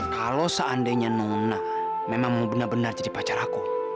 kalau seandainya nona memang mau benar benar jadi pacar aku